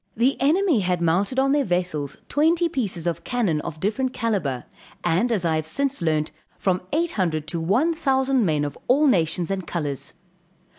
The enemy had mounted on their vessels twenty pieces of cannon of different calibre; and as I have since learnt, from eight hundred, to one thousand men of all nations and colors.